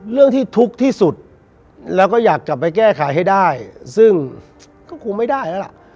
เรื่องที่ทุกข์ที่สุดแล้วก็อยากกลับไปแก้ไขให้ได้ซึ่งก็คงไม่ได้แล้วล่ะ